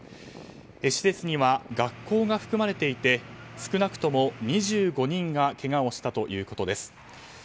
施設には、学校が含まれていて少なくとも２５人がけがをしたということです。